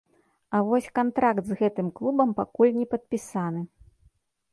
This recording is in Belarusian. А вось кантракт з гэтым клубам пакуль не падпісаны.